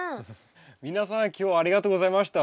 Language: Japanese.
皆さん今日はありがとうございました。